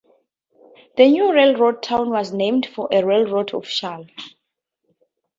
The new railroad town was named for a railroad official.